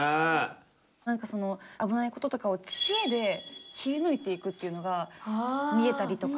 何かその危ないこととかを知恵で切り抜いていくっていうのが見えたりとか。